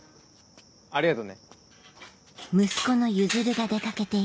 ありがとね。